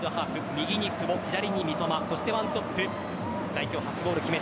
右に久保、左に三笘１トップ代表初ゴールを決め